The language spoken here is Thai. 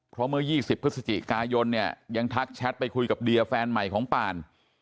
เพราะเมื่อ๒๐พฤศจิกายนเนี่ยยังทักแชทไปคุยกับเดียแฟนใหม่ของปาน